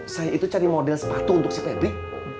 saya itu cari model sepatu untuk si teh dik